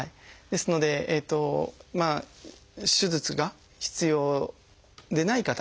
ですので手術が必要でない方。